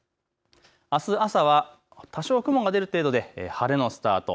あす朝は多少雲が出る程度で晴れのスタート。